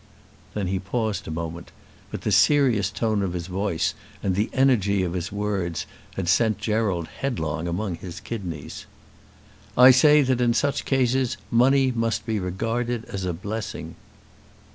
Then he paused a moment, but the serious tone of his voice and the energy of his words had sent Gerald headlong among his kidneys. "I say that in such cases money must be regarded as a blessing."